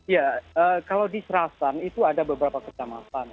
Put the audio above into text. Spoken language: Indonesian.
ya kalau di serasan itu ada beberapa kecamatan